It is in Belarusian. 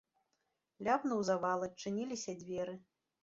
Ляпнуў завал, адчыніліся дзверы.